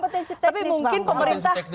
tapi mungkin pemerintah